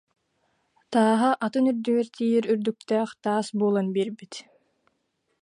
Тааһа атын үрдүгэр тиийэр үрдүктээх таас буолан биэрбит